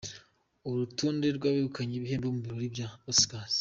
Urutonde rw’abegukanye ibihembo mu birori bya Oscars:.